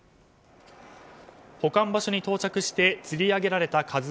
保管場所に到着してつり上げられた「ＫＡＺＵ１」。